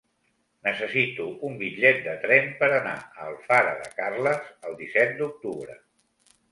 Necessito un bitllet de tren per anar a Alfara de Carles el disset d'octubre.